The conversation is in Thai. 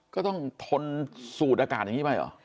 ก็ต้องทนสูดอากาศอย่างนี้ไปเหรอ